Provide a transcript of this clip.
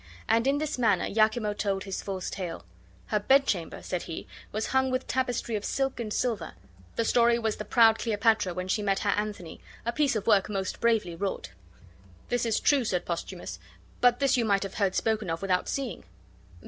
And in this manner Iachimo told his false tale: "Her bedchamber," said he, "was hung with tapestry of silk and silver, the story was the proud Cleopatra when she met her Anthony, a piece of work most bravely wrought." "This is true," said Posthumus; "but this you might have heard spoken of without seeing."